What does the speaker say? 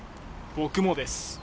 僕もです。